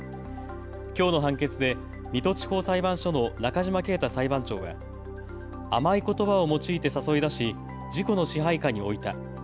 きょうの判決で水戸地方裁判所の中島経太裁判長は甘いことばを用いて誘い出し、自己の支配下に置いた。